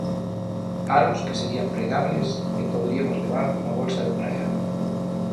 Aros que serían pregables e poderiamos levar na bolsa de praia.